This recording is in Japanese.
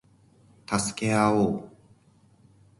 助け合おう